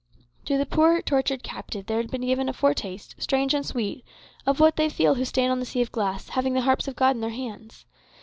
To the poor tortured captive there had been given a foretaste, strange and sweet, of what they feel who stand on the sea of glass, having the harps of God in their hands.